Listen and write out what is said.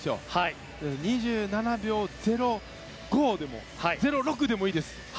２７秒０５でも０６でもいいです。